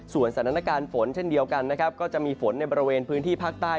สถานการณ์ฝนเช่นเดียวกันนะครับก็จะมีฝนในบริเวณพื้นที่ภาคใต้